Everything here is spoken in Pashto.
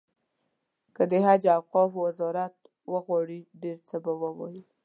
که د حج او اوقافو وزارت وغواړي ډېر څه به ووایم.